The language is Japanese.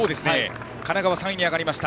神奈川３位に上がりました。